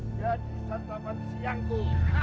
tidak jadi santapan siang ku